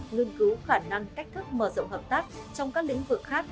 nghiên cứu khả năng cách thức mở rộng hợp tác trong các lĩnh vực khác